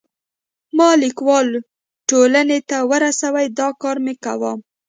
ما لیکوالو ټولنې ته ورسوی، دا کار مې کاوه.